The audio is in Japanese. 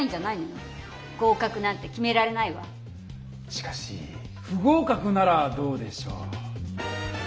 しかし不合かくならどうでしょう？